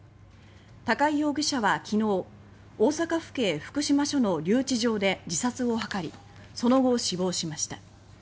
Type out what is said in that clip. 高井容疑者は、きのう大阪府警福島署の留置場で自殺を図りその後、死亡しました。